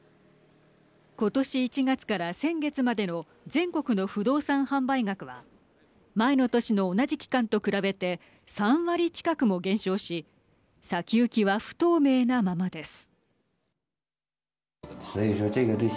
今年１月から先月までの全国の不動産販売額は前の年の同じ期間と比べて３割近くも減少し先行きは不透明なままです。